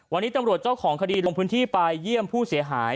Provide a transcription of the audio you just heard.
วันนี้ตำรวจเจ้าของคดีลงพื้นที่ไปเยี่ยมผู้เสียหาย